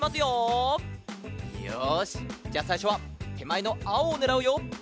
よしじゃあさいしょはてまえのあおをねらうよ！